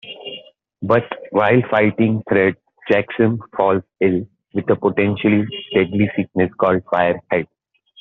But while fighting Thread, Jaxom falls ill with a potentially deadly sickness called "Fire-Head".